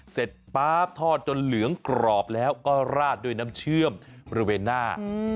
เสร็จป๊าบทอดจนเหลืองกรอบแล้วก็ลาดด้วยน้ำเชื่อมราเวน่า